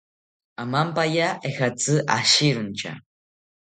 Amampaya ejatzi ashirontya